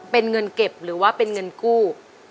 เป็นเงินเก็บหรือว่าเป็นเงินกู้